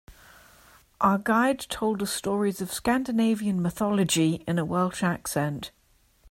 Our guide told us stories of Scandinavian mythology in a Welsh accent.